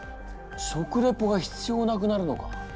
食レポが必要なくなるのか。